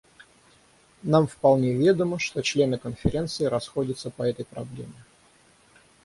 Нам вполне ведомо, что члены Конференции расходятся по этой проблеме.